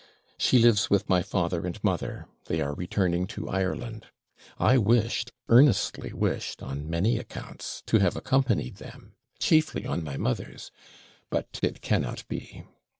She lives with my father and mother: they are returning to Ireland, I wished, earnestly wished, on many accounts, to have accompanied them, chiefly on my mother's; but it cannot be.